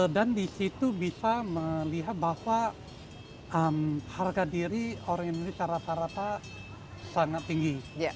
dan di situ bisa melihat bahwa harga diri orang indonesia rata rata sangat tinggi